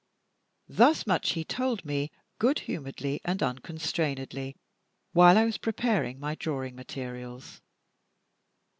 Thus much he told me good humoredly and unconstrainedly while I was preparing my drawing materials.